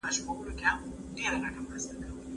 تاسي باید د خپلو ملګرو لیست پاک وساتئ.